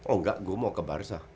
oh enggak gue mau ke barca